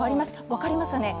分かりますよね。